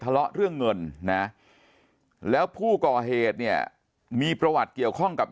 เรื่องเงินนะแล้วผู้ก่อเหตุเนี่ยมีประวัติเกี่ยวข้องกับ